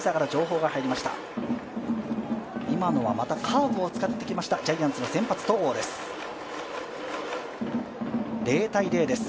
今のはカーブを使ってきました、ジャイアンツの先発・戸郷です。